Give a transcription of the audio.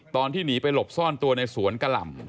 ตอนที่หนีไปหลบซ่อนตัวในสวนกะหล่ำ